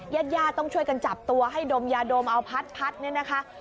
ญาติญาติต้องช่วยกันจับตัวให้ดมยาดมเอาพัดเนี่ยนะคะ